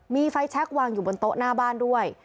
มีไฟแชควางอยู่บนโต๊ะหน้าบ้านด้วย